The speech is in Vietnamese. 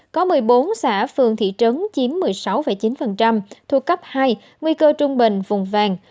có một mươi bốn xã phường thị trấn chiếm một mươi sáu chín thuộc cấp hai nguy cơ trung bình vùng vàng